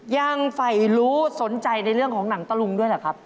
ยังฝ่ายรู้สนใจในเรื่องของหนังตะลุงด้วยเหรอครับ